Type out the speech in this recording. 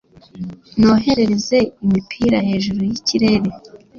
nohereze imipira hejuru yikirere